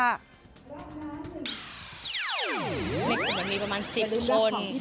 ในกลุ่มมันมีประมาณ๑๐คน